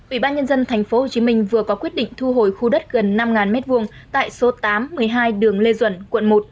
ủy ban nhân dân tp hcm vừa có quyết định thu hồi khu đất gần năm m hai tại số tám một mươi hai đường lê duẩn quận một